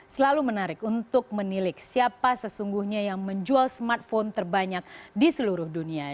selalu menarik untuk menilik siapa sesungguhnya yang menjual smartphone terbanyak di seluruh dunia